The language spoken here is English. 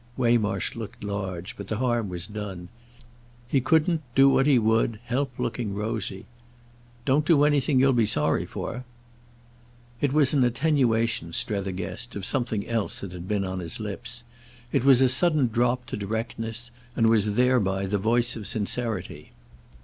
Waymarsh looked large, but the harm was done; he couldn't, do what he would, help looking rosy. "Don't do anything you'll be sorry for." It was an attenuation, Strether guessed, of something else that had been on his lips; it was a sudden drop to directness, and was thereby the voice of sincerity.